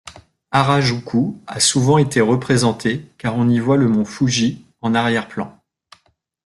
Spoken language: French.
Hara-juku a souvent été représenté, car on y voit le mont Fuji en arrière-plan.